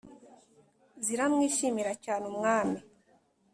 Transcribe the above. ziramwishimira cyane, umwami